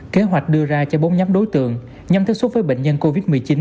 kế hoạch đưa ra cho bốn nhóm đối tượng nhằm thức xuất với bệnh nhân covid một mươi chín